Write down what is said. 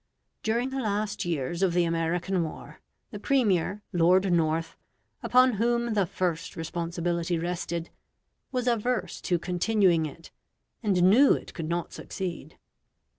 During the last years of the American war, the Premier, Lord North, upon whom the first responsibility rested, was averse to continuing it, and knew it could not succeed.